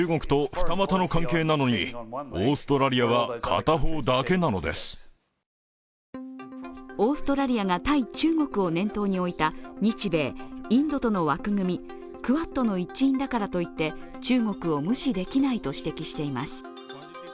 そしてオーストラリアが対中国を念頭に置いた日米、インドとの枠組み、クアッドの一員だからといって中国を無視できないと指摘しています。